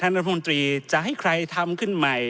รัฐมนตรีจะให้ใครทำขึ้นใหม่